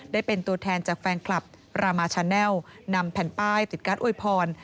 ได้เป็นตัวแทนจากแฟนคลับรามาชาแนลนำแผ่นป้ายติดการ์อวยพร